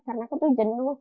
karena aku tuh jenuh